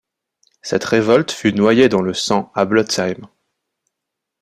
Cette révolte fut noyée dans le sang à Blotzheim.